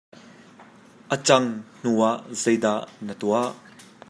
A cang hnu ah zeidah na tuah?